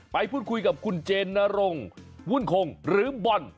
ไปพูดคุยกับคุณเจนนรงวุ่นคงหรือบอล